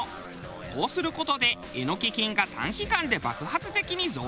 こうする事でエノキ菌が短期間で爆発的に増殖。